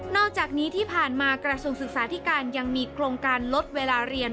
อกจากนี้ที่ผ่านมากระทรวงศึกษาธิการยังมีโครงการลดเวลาเรียน